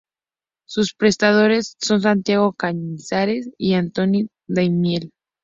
Sus presentadores son Santiago Cañizares y Antoni Daimiel.